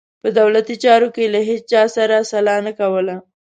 په دولتي چارو کې یې له هیچا سره سلا نه کوله.